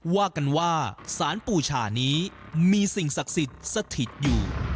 ว่ากันว่าศาลปูชานี้มีสิ่งศักดิ์สถิตย์อยู่